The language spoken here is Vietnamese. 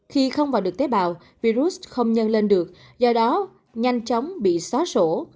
khi không vào được tế bào virus không nhân lên được do đó nhanh chóng bị xóa sổ